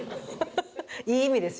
ハハハいい意味ですよ。